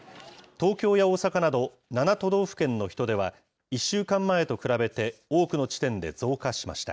東京や大阪など７都道府県の人出は、１週間前と比べて、多くの地点で増加しました。